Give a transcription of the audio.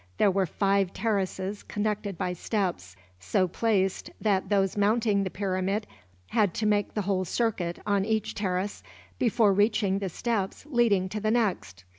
There were five terraces connected by steps, so placed that those mounting the pyramid had to make the whole circuit, on each terrace, before reaching the steps leading to the next.